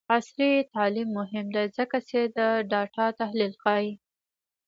عصري تعلیم مهم دی ځکه چې د ډاټا تحلیل ښيي.